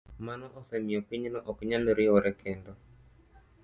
Mano osemiyo piny no ok nyal riwore kendo.